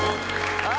あ